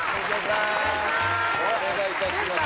お願いいたします。